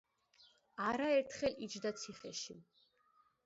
არაერთხელ იჯდა ციხეში.